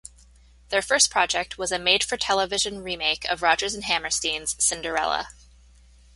Their first project was a made-for-television remake of Rodgers and Hammerstein's "Cinderella".